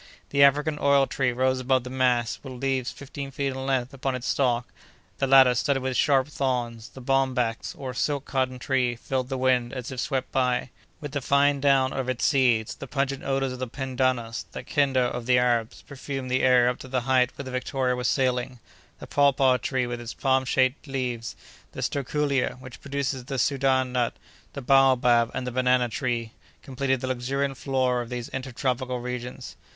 The African oil tree rose above the mass, with leaves fifteen feet in length upon its stalk, the latter studded with sharp thorns; the bombax, or silk cotton tree, filled the wind, as it swept by, with the fine down of its seeds; the pungent odors of the pendanus, the "kenda" of the Arabs, perfumed the air up to the height where the Victoria was sailing; the papaw tree, with its palm shaped leaves; the sterculier, which produces the Soudan nut; the baobab, and the banana tree, completed the luxuriant flora of these inter tropical regions.